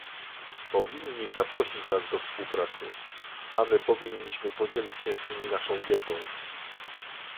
Powinni zaprosić nas do współpracy, a my powinniśmy podzielić się z nimi naszą wiedzą